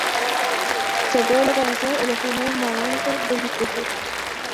Se puede localizar en los primeros momentos del discurso.